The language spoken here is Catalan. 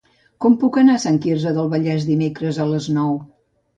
Com puc anar a Sant Quirze del Vallès dimecres a les nou?